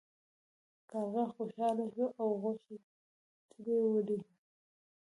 کارغه خوشحاله شو او غوښه ترې ولویده.